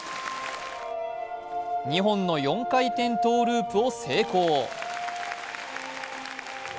２本の４回転トゥループを成功。